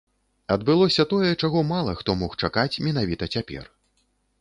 Адбылося тое, чаго мала хто мог чакаць менавіта цяпер.